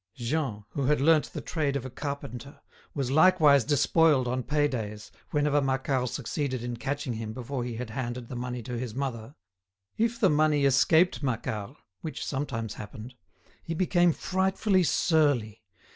Jean, who had learnt the trade of a carpenter, was likewise despoiled on pay days, whenever Macquart succeeded in catching him before he had handed the money to his mother. If the money escaped Macquart, which sometimes happened, he became frightfully surly.